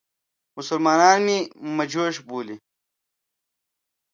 مسلمانان مې مجوس بولي.